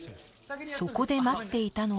そこで待っていたのは